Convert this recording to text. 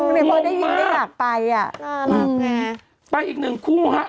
แต่อีกหนึ่งคู่หนะ